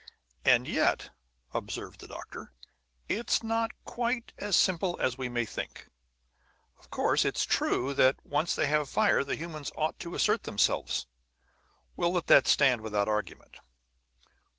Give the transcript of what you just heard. "And yet," observed the doctor, "it's not quite as simple as we may think. Of course it's true that once they have fire, the humans ought to assert themselves. We'll let that stand without argument."